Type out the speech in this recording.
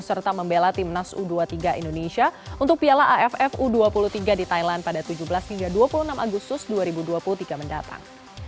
serta membela timnas u dua puluh tiga indonesia untuk piala aff u dua puluh tiga di thailand pada tujuh belas hingga dua puluh enam agustus dua ribu dua puluh tiga mendatang